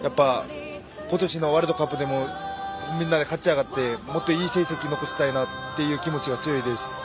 今年のワールドカップでもみんなで勝ちあがってもっといい成績を残したい気持ちが強いです。